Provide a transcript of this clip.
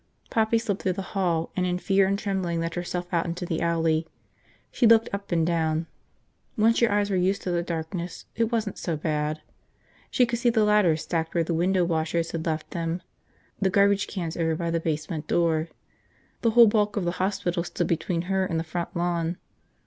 Poppy slipped through the hall and in fear and trembling let herself out into the alley. She looked up and down. Once your eyes were used to the darkness it wasn't so bad. She could see the ladders stacked where the window washers had left them, the garbage cans over by the basement door. The whole bulk of the hospital stood between her and the front lawn.